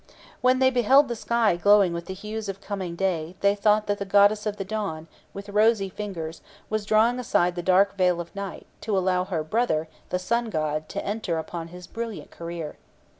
When they beheld the sky glowing with the hues of coming day they thought that the goddess of the dawn, with rosy fingers, was drawing aside the dark veil of night, to allow her brother, the sun god, to enter upon his brilliant career.